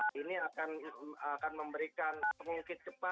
pangkitan sepak bola indonesia